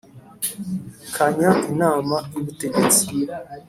kanya Inama y Ubutegetsi